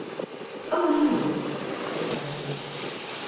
"Oh no," said Ursula.